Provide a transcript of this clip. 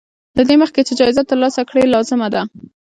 له دې مخکې چې جايزه ترلاسه کړې لازمه ده.